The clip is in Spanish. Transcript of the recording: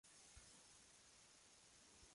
El caparazón es liso, es decir no posee quillas.